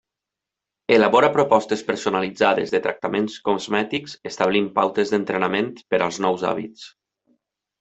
Elabora propostes personalitzades de tractaments cosmètics establint pautes d'entrenament per als nous hàbits.